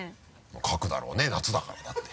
かくだろうね夏だからだって。